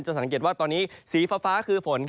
สังเกตว่าตอนนี้สีฟ้าคือฝน